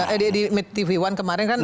eh di tv one kemarin kan